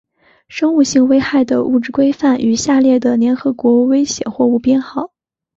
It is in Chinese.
生物性危害的物质规范于下列的联合国危险货物编号